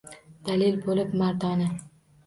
Dadil bo‘lib mardona.